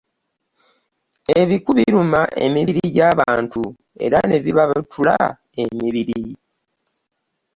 Ebiku biruma emibiri gyabantu era nebibabutula emibiri.